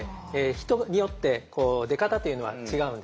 人によって出方というのは違うんです。